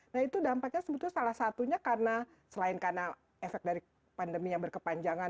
nah itu dampaknya sebetulnya salah satunya karena selain karena efek dari pandemi yang berkepanjangan